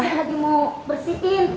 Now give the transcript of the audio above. nisya lagi mau bersihin